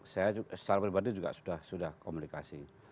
saya secara pribadi juga sudah komunikasi